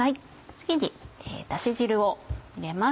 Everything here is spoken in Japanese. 次にダシ汁を入れます。